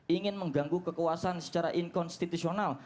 ingin mengganggu kekuasaan secara inkonstitusional